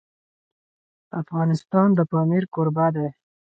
افغانستان د پامیر کوربه دی.